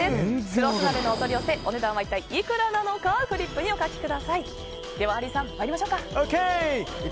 食労寿鍋のお取り寄せお値段は一体いくらなのかフリップにお書きください。